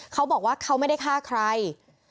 เขาบอกว่าเขาไม่ได้ฆ่าใคร